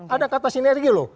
ada kata sinergi loh